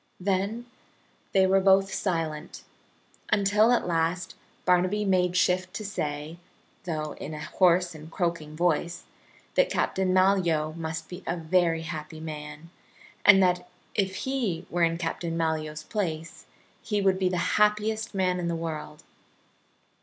Then they were both silent, until at last Barnaby made shift to say, though in a hoarse and croaking voice, that Captain Malyoe must be a very happy man, and that if he were in Captain Malyoe's place he would be the happiest man in the world.